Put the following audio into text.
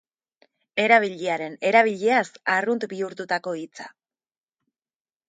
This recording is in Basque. Erabiliaren erabiliaz arrunt bihurtutako hitza.